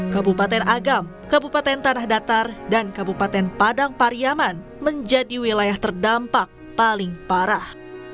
kabupaten agam kabupaten tanah datar dan kabupaten padang pariaman menjadi wilayah terdampak paling parah